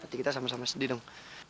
nanti kita sama sama sedih dong